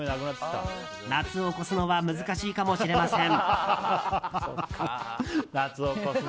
夏を越すのは難しいかもしれません。